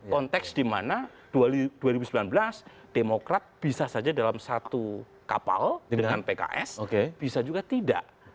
konteks dimana dua ribu sembilan belas demokrat bisa saja dalam satu kapal dengan pks bisa juga tidak